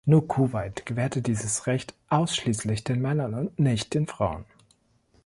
Nur Kuwait gewährte dieses Recht ausschließlich den Männern und nicht den Frauen.